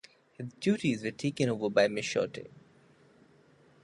His duties were taken over by Michotte.